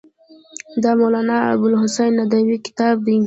دا مولانا ابوالحسن ندوي کتاب دی.